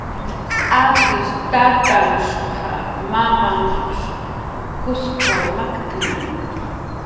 Akish tatanhshq mamamnhhsh Kuskw maktnna